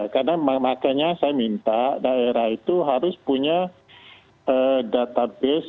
karena makanya saya minta daerah itu harus punya database